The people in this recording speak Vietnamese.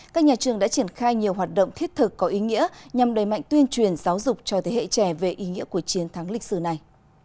các nhà trường đã triển khai nhiều hoạt động thiết thực có ý nghĩa nhằm đẩy mạnh tuyên truyền giáo dục cho thế hệ trẻ về ý nghĩa của chiến thắng lịch sử này